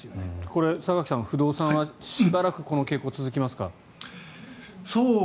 これ、榊さん、不動産はしばらくこの傾向が続きますか？